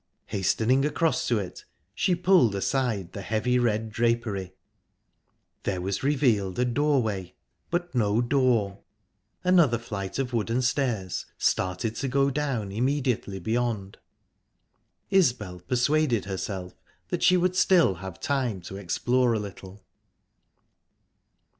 Hastening across to it, she pulled aside the heavy red drapery. There was revealed a doorway, but no door; another flight of wooden stairs started to go down immediately beyond. Isbel persuaded herself that she would still have time to explore a little.